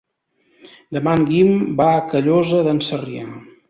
Demà en Guim va a Callosa d'en Sarrià.